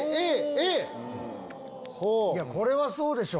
これはそうでしょ。